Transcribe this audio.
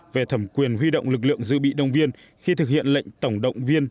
về thẩm quyền huy động lực lượng dự bị đồng viên khi thực hiện lệnh tổng động viên